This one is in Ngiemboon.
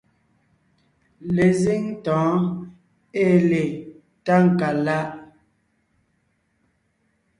Lezíŋ tɔ̌ɔn ée le Tákaláʼ;